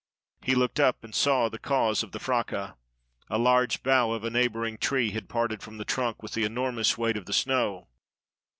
He looked up and saw the cause of the fracas. A large bough of a neighboring tree had parted from the trunk with the enormous weight of the snow.